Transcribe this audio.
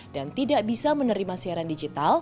dan tidak bisa menerima siaran digital